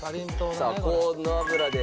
さあ高温の油で。